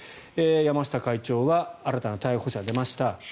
山下会長は新たな逮捕者が出ました